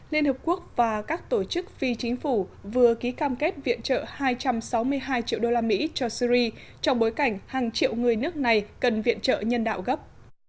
liên hợp quốc và các tổ chức phi chính phủ vừa ký cam kết viện trợ hai trăm sáu mươi hai triệu đô la mỹ cho syri trong bối cảnh hàng triệu người nước này cần viện trợ nhân đạo gấp